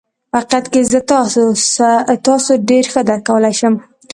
په حقيقت کې زه تاسو ډېر ښه درک کولای شم.